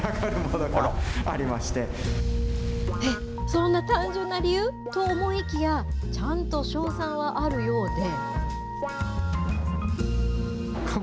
そんな単純な理由？と思いきや、ちゃんと勝算はあるようで。